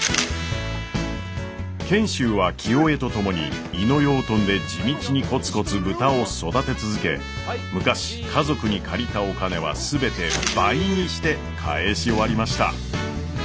賢秀は清恵と共に猪野養豚で地道にコツコツ豚を育て続け昔家族に借りたお金は全て倍にして返し終わりました。